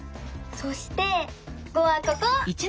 そして「５」はここ！